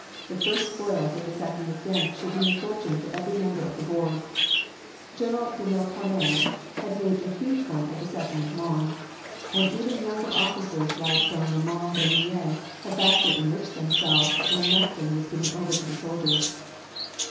The first spoils at the sacking of Ghent should mean a fortune for every member of the board. General de Noircarmes had made a huge one at the sacking of Mons, and even younger officers like don Ramon de Linea had vastly enriched themselves when Mechlin was given over to the soldiers.